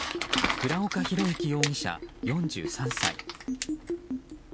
倉岡宏行容疑者、４３歳。